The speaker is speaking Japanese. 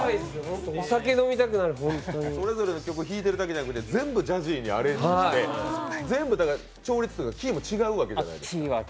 お酒飲みたくなる、ホントにそれぞれの曲を弾いているだけじゃなくて、全部ジャジーにアレンジして全部調律というかキーも違うわけじゃないですか。